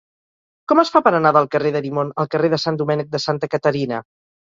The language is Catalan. Com es fa per anar del carrer d'Arimon al carrer de Sant Domènec de Santa Caterina?